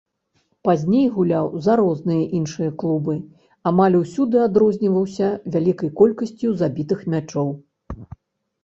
Пазней гуляў за розныя іншыя клубы, амаль усюды адрозніваўся вялікай колькасцю забітых мячоў.